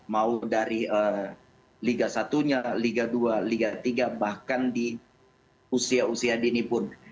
mau dari liga satunya liga dua liga tiga bahkan di usia usia dini pun